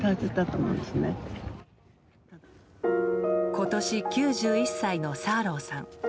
今年９１歳のサーローさん。